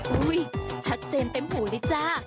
ชัดเจนเต็มหูเลยจ้า